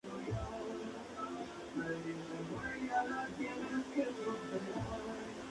Las inflorescencias son ramificadas y por lo general consisten en cabezas pediceladas terminales.